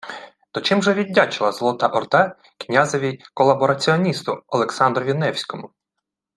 То чим же віддячила Золота Орда князеві-колабораціоністу Олександрові Невському?